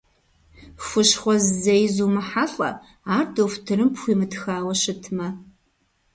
Хущхъуэ зэи зумыхьэлӀэ, ар дохутырым пхуимытхауэ щытмэ.